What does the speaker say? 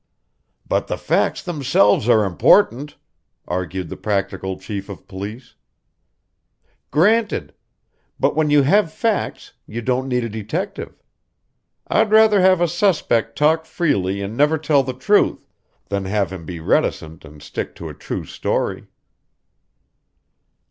"But the facts themselves are important," argued the practical chief of police. "Granted! But when you have facts, you don't need a detective. I'd rather have a suspect talk freely and never tell the truth than have him be reticent and stick to a true story."